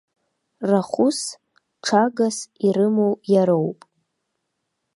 Рахәыс, ҽагас ирымоу иароуп.